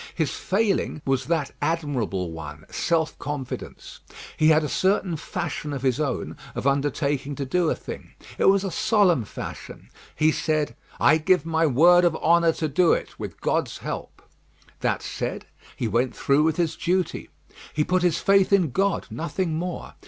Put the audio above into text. His failing was that admirable one, self confidence. He had a certain fashion of his own of undertaking to do a thing. It was a solemn fashion. He said, "I give my word of honour to do it, with God's help." That said, he went through with his duty. He put his faith in God nothing more.